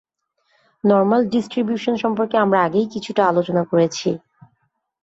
Normal distribution সম্পর্কে আমরা আগেই কিছুটা আলোচনা করেছি।